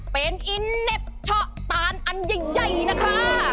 เป็นอินเน็บเชาะตานอันใหญ่นะคะ